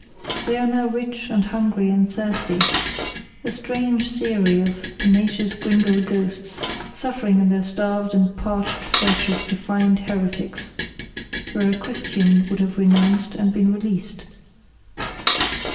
They are now rich and hungry and thirsty a strange theory of tenacious gringo ghosts suffering in their starved and parched flesh of defiant heretics, where a Christian would have renounced and been released.